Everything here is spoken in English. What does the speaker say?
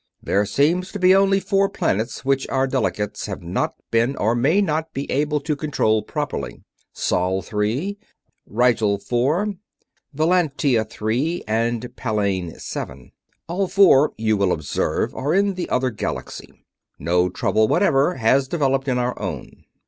There seem to be only four planets which our delegates have not been or may not be able to control properly: Sol III, Rigel IV, Velantia III, and Palain VII. All four, you will observe, are in the other galaxy. No trouble whatever has developed in our own.